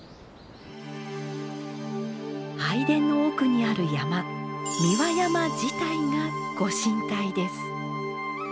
拝殿の奥にある山三輪山自体がご神体です。